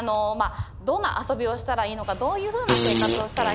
どんな遊びをしたらいいのかどういうふうな生活をしたらいいのか